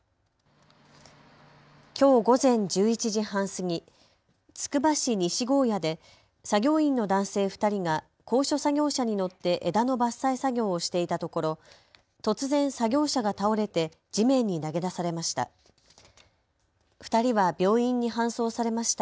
きょう午前１１時半過ぎ、つくば市西高野で作業員の男性２人が高所作業車に乗って枝の伐採作業をしていたところ突然、作業車が倒れて地面に投げ出されました。